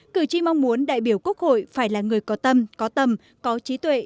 cử tri mong muốn đại biểu quốc hội phải là người có tâm có tầm có trí tuệ